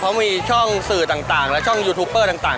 เขามีช่องสื่อต่างและช่องยูทูปเปอร์ต่าง